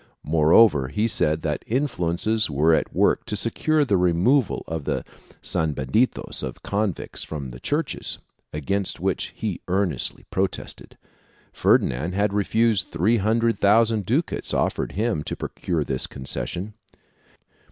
Moreover he said that influences were at work to secure the removal of the sanbenitos of convicts from the churches, against which he earn estly protested; Ferdinand had refused three hundred thousand ducats offered to him to procure this concession.